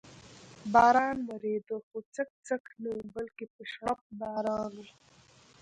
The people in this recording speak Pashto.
باران ورېده، خو څک څک نه و، بلکې په شړپ باران و.